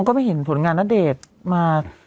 องค์ก็ไม่เห็นนวลงานณเดรสมา